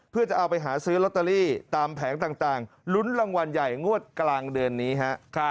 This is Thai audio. เพื่อจะเอาไปหาซื้อลอตเตอรี่ตามแผงต่างลุ้นรางวัลใหญ่งวดกลางเดือนนี้ฮะ